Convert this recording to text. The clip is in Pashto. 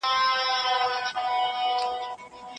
تاسو بايد د تاريخ له تېروتنو سبق واخلئ.